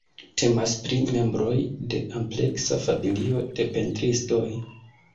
Temas pri membroj de ampleksa familio de pentristoj.